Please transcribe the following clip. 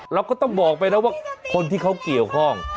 เราก็ต้องบอกไปนะว่าคนที่เขาเกี่ยวข้อง